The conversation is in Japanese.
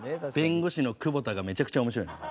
弁護士の久保田がめちゃくちゃ面白い。